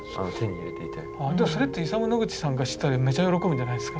それってイサム・ノグチさんが知ったらめちゃ喜ぶんじゃないですか。